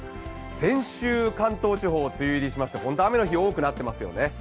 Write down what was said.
先週関東地方梅雨入りしまして、本当に雨の日多くなってますよね。